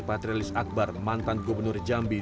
patrialis akbar mantan gubernur jambi